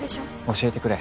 教えてくれ。